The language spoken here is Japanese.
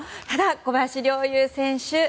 ただ小林陵侑選手